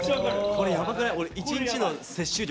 これやばくない？